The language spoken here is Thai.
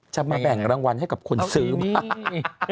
จะมาแบ่งรางวัลให้กับคนซื้อมาก